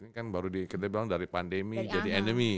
ini kan baru kita bilang dari pandemi jadi endemi